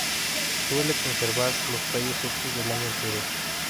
Suele conservar los tallo secos del año anterior.